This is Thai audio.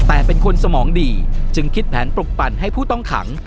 แต่เป็นคนสมองดีจึงคิดแผนปลุกปั่นให้ผู้ต้องขัง